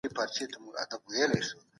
اتلولي په وينو نه په پوهه ده.